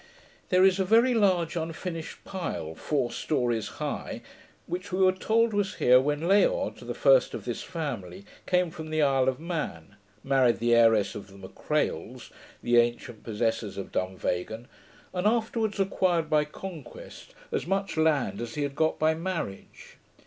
There is a very large unfinished pile, four stories high, which we were told was here when Leod, the first of this family, came from the Isle of Man, married the heiress of the M'Crails, the ancient possessors of Dunvegan, and afterwards acquired by conquest as much land as he had got by marriage.